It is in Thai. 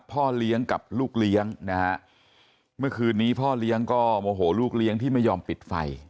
พ่อเลี้ยงกับลูกเลี้ยงนะฮะเมื่อคืนนี้พ่อเลี้ยงก็โมโหลูกเลี้ยงที่ไม่ยอมปิดไฟ